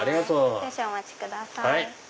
少々お待ちください。